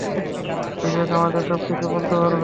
বিবেক, আমাদের সবকিছু বলতে পারবে?